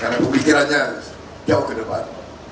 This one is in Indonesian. karena pemikirannya jauh ke depan